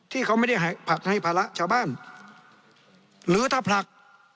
ที่เขาไม่ได้ผลักให้ภาระชาวบ้านหรือถ้าผลัก